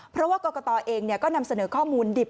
เพราะว่ากรกตเองก็นำเสนอข้อมูลดิบ